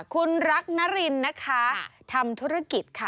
คุณรักนรินทำธุรกิจค่ะ